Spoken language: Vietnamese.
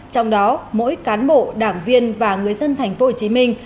trong đó mỗi cán bộ đảng viên và người dân thành phố hồ chí minh